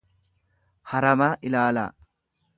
haramaa ilaalaa.